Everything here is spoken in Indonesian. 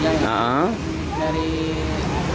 dari kriteriannya gitu